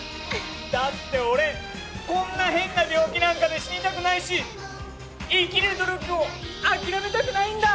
だって俺こんな変な病気なんかで死にたくないし生きる努力を諦めたくないんだ！